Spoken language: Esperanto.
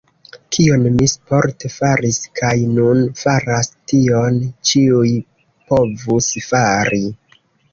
Kion mi sporte faris kaj nun faras, tion ĉiuj povus fari.